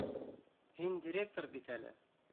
Һин директор бит әле.